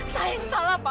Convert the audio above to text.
saya yang salah pak